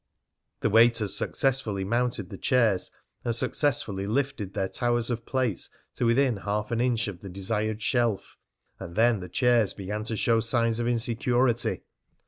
The waiters successfully mounted the chairs, and successfully lifted their towers of plates to within half an inch of the desired shelf, and then the chairs began to show signs of insecurity.